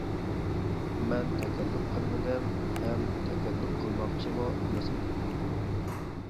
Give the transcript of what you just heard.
مەن تەكەللۇپ قىلمىدىم ھەم تەكەللۇپ قىلماقچىمۇ ئەمەس ئىدىم.